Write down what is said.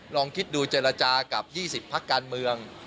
ลองคิดดูเจรจากับ๒๐พักการเมือง